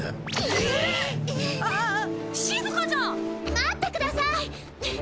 待ってください！